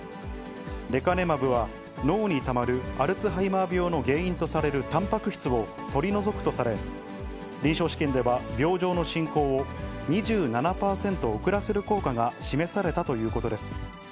レカネマブは、脳にたまるアルツハイマー病の原因とされるたんぱく質を取り除くとされ、臨床試験では病状の進行を２７％遅らせる効果が示されたということです。